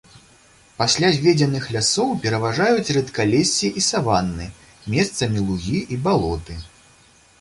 Пасля зведзеных лясоў пераважаюць рэдкалессі і саванны, месцамі лугі і балоты.